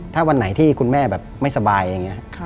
ถ้าวันไหนที่คุณแม่แบบไม่สบายอย่างนี้